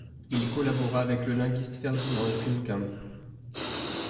Il collabora avec le linguiste Ferdinand Heuckenkamp.